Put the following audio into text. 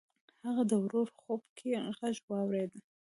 هغه د ورور خوب کې غږ واورېد.